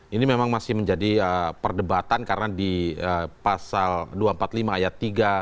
ini memang masih menjadi perdebatan karena di pasal dua ratus empat puluh lima ayat tiga